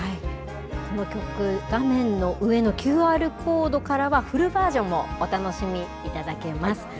この曲、画面の上のＱＲコードからは、フルバージョンもお楽しみいただけます。